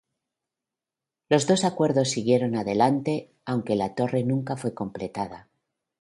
Los dos acuerdos siguieron adelante, aunque la torre nunca fue completada.